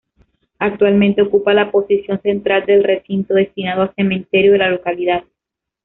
Actualmente ocupa la posición central del recinto destinado a cementerio de la localidad.